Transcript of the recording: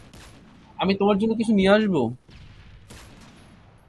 আমি তোমার জন্য কিছু নিয়ে আসবো?